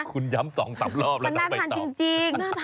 คุณย้ำ๒ตัวรอบแต่มาไปต่อ